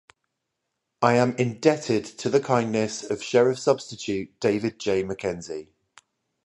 I am indebted to the kindness of Sheriff-Substitute David J. Mackenzie.